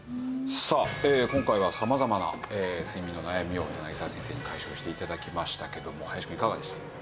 さあ今回は様々な睡眠の悩みを柳沢先生に解消して頂きましたけども林くんいかがでした？